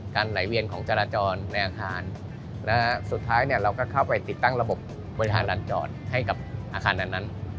ไหลเวียนของจราจรในอาคารสุดท้ายเราก็เข้าไปติดตั้งระบบบริหารร้านจอดให้กับอาคารนั้น